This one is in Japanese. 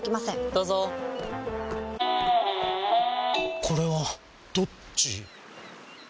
どうぞこれはどっち？